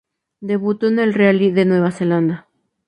Debutó en el Rally de Nueva Zelanda.